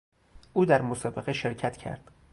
او در مسابقه شرکت کرد.